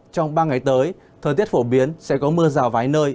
trong ba ngày tới thời tiết phổ biến sẽ có mưa rào vài nơi